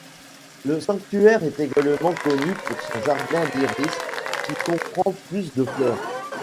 Le sanctuaire est également connu pour son jardin d'iris, qui comprend plus de fleurs.